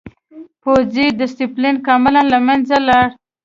پوځي ډسپلین کاملاً له منځه لاړ.